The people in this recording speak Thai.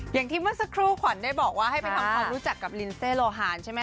อย่างที่เมื่อสักครู่ขวัญได้บอกว่าให้ไปทำความรู้จักกับลินเซโลฮานใช่ไหม